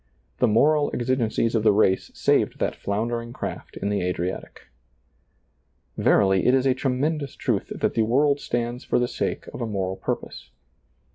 The moral exi gencies of the race saved that floundering craft in the Adriatic. Verily, it is a tremendous truth that the ^lailizccbvGoOgle PAUL ABOARD iii world stands for the sake of a moral purpose.